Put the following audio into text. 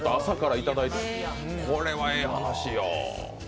これはええ話や。